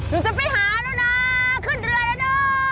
หนูจะไปหาแล้วนะขึ้นเรือยังนะ